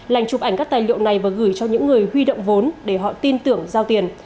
lành chụp ảnh các tài liệu này và gửi cho những người huy động vốn để họ tin tưởng giao tiền